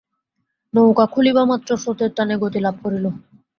নৌকা খুলিবামাত্র স্রোতের টানে গতিলাভ করিল।